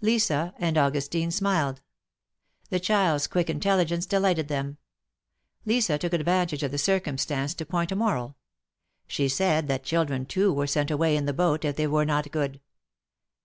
Lisa and Augustine smiled. The child's quick intelli gence delighted them. Lisa took advantage of tlie cir cumstance to point a moral. She said that children too were sent away in the boat, if they were not good.